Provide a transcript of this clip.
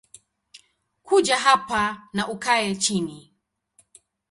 Kuja hapa na ukae chini